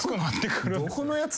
どこのやつ？